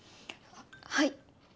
はい。